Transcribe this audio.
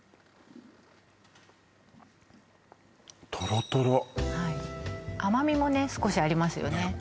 とろとろはい甘みもね少しありますよねねえ